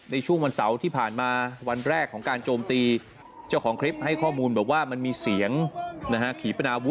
ในช่วงวันเสาร์ที่ผ่านมาวันแรกของการโจมตีเจ้าของคลิปให้ข้อมูลบอกว่ามันมีเสียงนะฮะขีปนาวุ